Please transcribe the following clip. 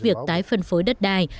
việc tái phân phối đất đai